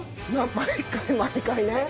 毎回毎回。